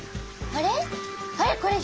あれ？